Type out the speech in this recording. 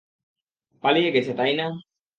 পালিয়ে গেছে, তাই না?